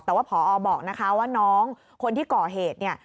แต่ว่าผอบอกว่าน้องคนที่ก่อเหตุ